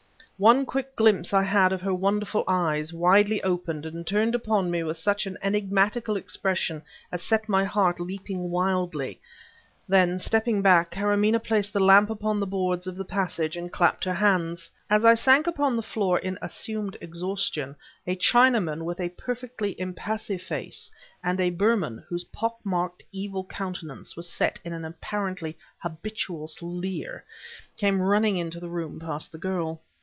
One quick glimpse I had of her wonderful eyes, widely opened and turned upon me with such an enigmatical expression as set my heart leaping wildly then, stepping back, Karamaneh placed the lamp upon the boards of the passage and clapped her hands. As I sank upon the floor in assumed exhaustion, a Chinaman with a perfectly impassive face, and a Burman, whose pock marked, evil countenance was set in an apparently habitual leer, came running into the room past the girl.